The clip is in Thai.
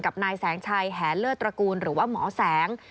นายแสงชัยแหนเลิศตระกูลหรือว่าหมอแสง